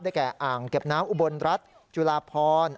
แก่อ่างเก็บน้ำอุบลรัฐจุลาพร